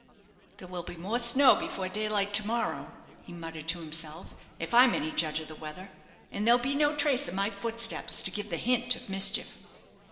"There will be more snow before daylight to morrow," he muttered to himself, "if I'm any judge of the weather; and there'll be no trace of my footsteps to give the hint of mischief."